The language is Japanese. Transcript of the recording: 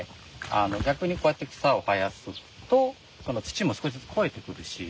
逆にこうやって草を生やすと土も少しずつ肥えてくるし